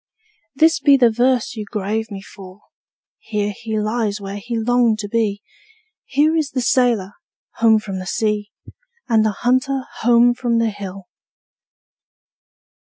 This be the verse you grave for me: 'Here he lies where he longed to be; Here is the sailor, home from the sea, And the hunter home from the hill.'